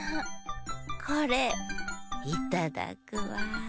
これいただくわ。